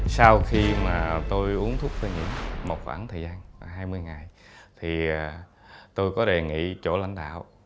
sau khi mà tôi uống thuốc một khoảng thời gian hai mươi ngày thì tôi có đề nghị chỗ lãnh đạo